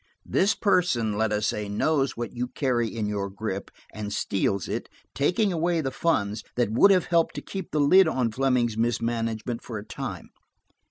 This person, let us say, knows what you carry in your grip, and steals it, taking away the funds that would have helped to keep the lid on Fleming's mismanagement for a time.